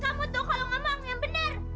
kamu tuh kalau nggak mau yang bener